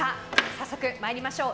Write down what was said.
早速参りましょう。